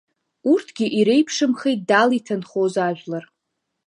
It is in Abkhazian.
Урҭгьы иреиԥшымхеит Дал иҭанхоз ажәлар.